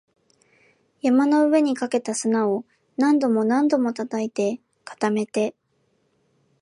山の上にかけた砂を何度も何度も叩いて、固めて